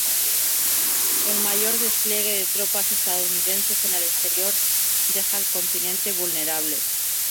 El mayor despliegue de tropas estadounidenses en el exterior deja al continente vulnerable.